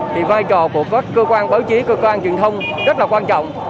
thì vai trò của các cơ quan báo chí cơ quan truyền thông rất là quan trọng